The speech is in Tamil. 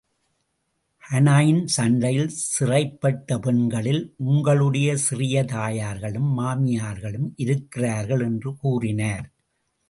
ஹூனைன் சண்டையில் சிறைப்பட்ட பெண்களில் உங்களுடைய சிறிய தாயார்களும், மாமியார்களும் இருக்கிறார்கள் என்று கூறினார்.